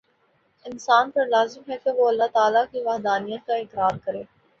انسان پر لازم ہے کہ وہ اللہ تعالی کی وحدانیت کا اقرار کرے